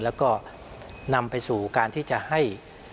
แล้วก็นำไปสู่การที่จะให้